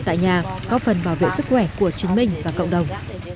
tại nhà có phần bảo vệ sức khỏe của chính mình và cộng đồng